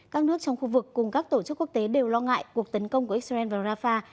các nước trong khu vực cùng các tổ chức quốc tế đều lo ngại cuộc tấn công của israel vào rafah